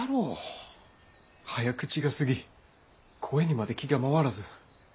早口がすぎ声にまで気が回らず。